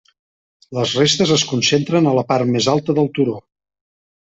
Les restes es concentren a la part més alta del turó.